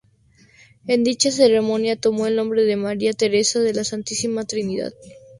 En dicha ceremonia tomó el nombre de María Teresa de la Santísima Trinidad.